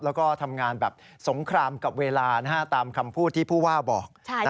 แล้วก็ทำงานแบบสงครามกับเวลาตามคำพูดที่ผู้ว่าบอก